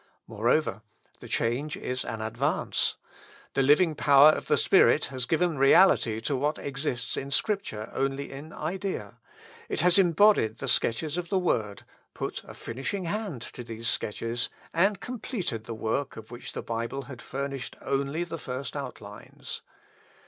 Moreover, the change is an advance. The living power of the Spirit has given reality to what exists in Scripture only in idea; it has embodied the sketches of the Word, put a finishing hand to these sketches, and completed the work of which the Bible had furnished only the first outlines.